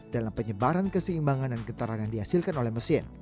dalam penyebaran keseimbangan dan getaran yang dihasilkan oleh mesin